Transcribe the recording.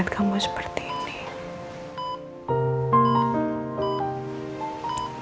aku masih berpikir